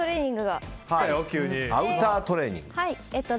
アウタートレーニングと。